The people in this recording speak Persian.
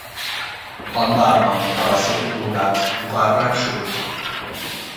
آن برنامه توسط دولت مقرر شده بود.